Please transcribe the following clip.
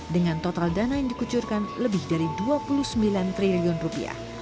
dengan total dana yang dikucurkan lebih dari dua puluh sembilan triliun rupiah